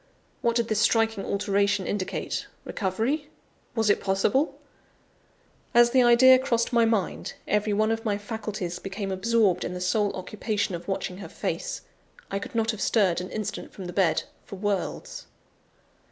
What did this striking alteration indicate? Recovery? Was it possible? As the idea crossed my mind, every one of my faculties became absorbed in the sole occupation of watching her face; I could not have stirred an instant from the bed, for worlds.